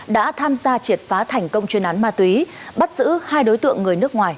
đã tham gia triệt phá thành công chuyên án ma túy bắt giữ hai đối tượng người nước ngoài